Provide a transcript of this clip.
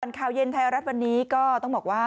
ข่าวเย็นไทยรัฐวันนี้ก็ต้องบอกว่า